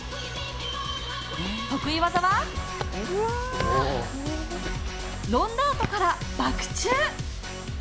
得意技は、ロンダートからバク宙。